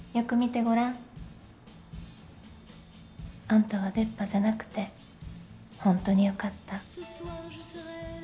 あんたは出っ歯じゃなくて本当に良かった。